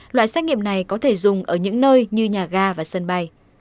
loại xét nghiệm này có thể dùng ở những nơi như nhà ga và sân bay